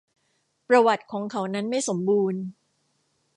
ประวัติของเขานั้นไม่สมบูรณ์